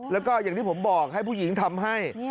แล้วก็อย่างที่ผมบอกให้ผู้หญิงทำให้